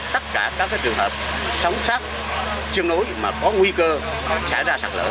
tất cả các trường hợp sống sát chân núi mà có nguy cơ xảy ra sạt lở